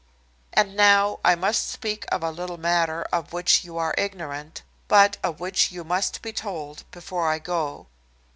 "And now I must speak of a little matter of which you are ignorant, but of which you must be told before I go.